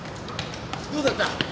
どうだった？